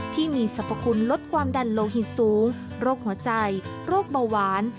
ที่มีสรรพคุณลดความดันโลหิตสูงโรคหัวใจโรคเบาหวาน